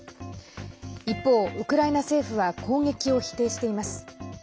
一方、ウクライナ政府は攻撃を否定しています。